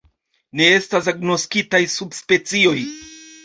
Ne estas agnoskitaj subspecioj.